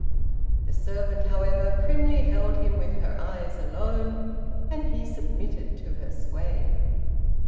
The servant, however, primly held him with her eyes alone, and he submitted to her sway.